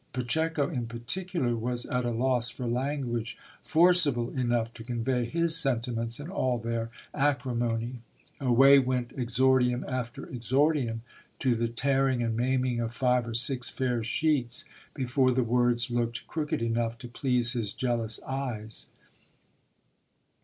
Pacheco, in particular, was at a loss for language forcible enough to convey his sentiments in all their acri mony ; away went exordium after exordium, to the tearing and maiming of five or six fair sheets, before the words looked crooked enough to please his jealous eyes.